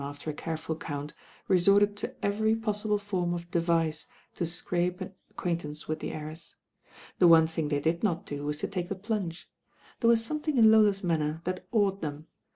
ter a careful count, reported to every pos sible form of device to scrape an acquaintance with the heiress. The one thing they did not do was to take the plunge. There was somethmg in Lola's manner that awed them.